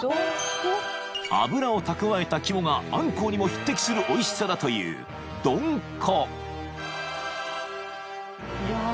［脂を蓄えた肝がアンコウにも匹敵するおいしさだというドンコ］